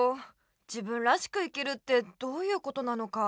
自分らしく生きるってどういうことなのか。